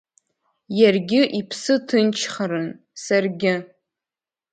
Иаргьы иԥсы ҭынчхарын, саргьы…